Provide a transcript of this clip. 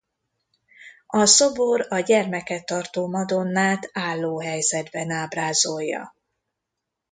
A szobor a gyermeket tartó Madonnát álló helyzetben ábrázolja.